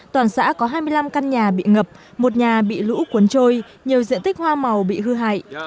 toàn xã có hai mươi năm căn nhà bị ngập một nhà bị lũ cuốn trôi nhiều diện tích hoa màu bị hư hại